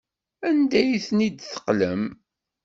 Anda ay ten-id-teqlam?